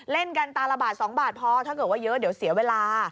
เล่นกันตาละบาท๒บาทพอถ้าเกิดว่าเยอะเดี๋ยวเสียเวลา